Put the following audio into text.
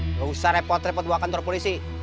nggak usah repot repot dua kantor polisi